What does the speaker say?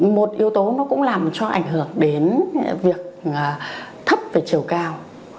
một yếu tố nó cũng làm cho ảnh hưởng đến việc thấp về chiều cao